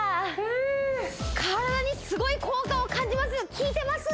体にすごい効果を感じます